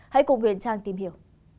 hãy cùng nguyễn trang tìm hiểu